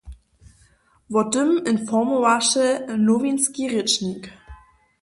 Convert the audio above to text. Wo tym informowaše nowinski rěčnik.